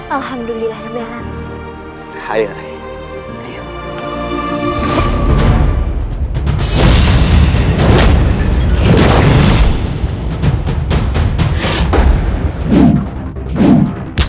alhamdulillah rabbil alamin